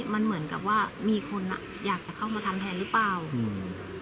มันเหมือนกับว่ามีคนอ่ะอยากจะเข้ามาทำแทนหรือเปล่าอืม